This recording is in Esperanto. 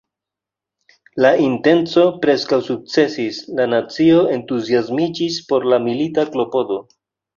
La intenco preskaŭ sukcesis: la nacio entuziasmiĝis por la milita klopodo.